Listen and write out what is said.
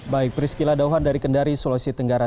baik priscila dauhan dari kendari sulawesi tenggara